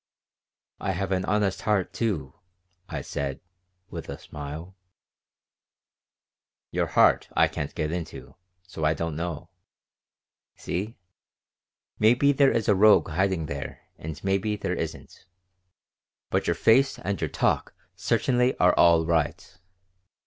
"I have an honest heart, too," I said, with a smile "Your heart I can't get into, so I don't know. See? Maybe there is a rogue hiding there and maybe there isn't. But your face and your talk certainly are all right.